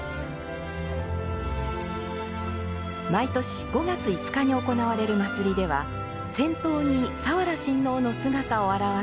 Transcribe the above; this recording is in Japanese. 毎年５月５日に行われる祭りでは先頭に早良親王の姿を表す布鉾。